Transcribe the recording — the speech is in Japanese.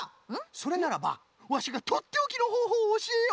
それならばワシがとっておきのほうほうをおしえよう！